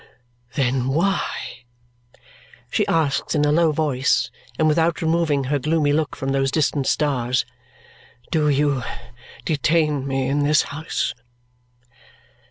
"Then why," she asks in a low voice and without removing her gloomy look from those distant stars, "do you detain me in his house?"